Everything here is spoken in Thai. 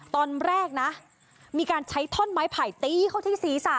ตอนแรกนะมีการใช้ท่อนไม้ไผ่ตีเข้าที่ศีรษะ